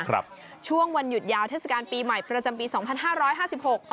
ครับช่วงวันหยุดยาวเทศกาลปีใหม่ประจำปีสองพันห้าร้อยห้าสิบหก